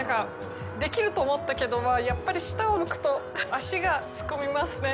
できると思ったけど、やっぱり下を向くと、足がすくみますね。